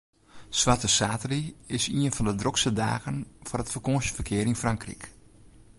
Swarte saterdei is ien fan de drokste dagen foar it fakânsjeferkear yn Frankryk.